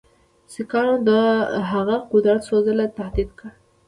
سیکهانو د هغه قدرت څو ځله تهدید کړ.